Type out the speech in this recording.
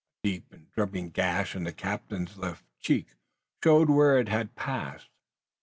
A deep and dripping gash in the captain's left cheek showed where it had passed.